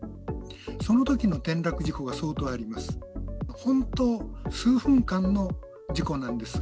そのときの転落事故が相当あります。